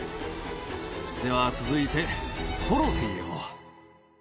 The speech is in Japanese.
では続いてトロフィーを。